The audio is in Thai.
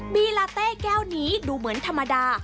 บีลาเต้แก้วนี้ดูเหมือนธรรมดา